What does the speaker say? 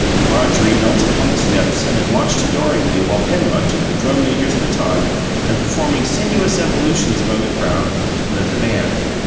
Marjorie knelt upon the steps and watched adoringly while Penrod took the drum major's baton and, performing sinuous evolutions above the crowd, led the band.